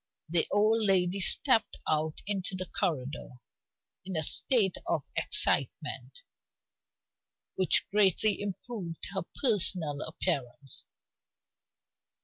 The old lady stepped out into the corridor in a state of excitement, which greatly improved her personal appearance.